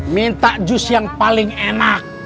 minta jus yang paling enak